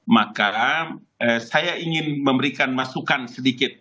maka saya ingin memberikan masukan sedikit